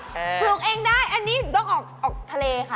ปลูกเองได้อันนี้ต้องออกทะเลค่ะ